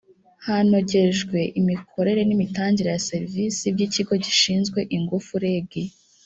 hanogejwe imikorere nimitangire ya serivisi by ikigo gishinzwe ingufu reg